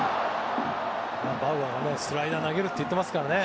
バウアーはスライダーを投げると言ってますからね。